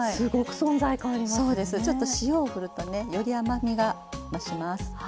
ちょっと塩を振るとねより甘みが増します。